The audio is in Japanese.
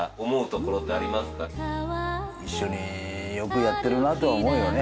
一緒によくやってるなとは思うよね。